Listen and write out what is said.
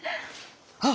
あっ！